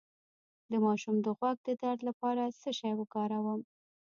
د ماشوم د غوږ د درد لپاره څه شی وکاروم؟